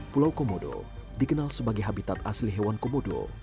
pulau komodo dikenal sebagai habitat asli hewan komodo